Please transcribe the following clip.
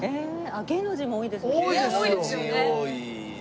芸能人も多いですもんね。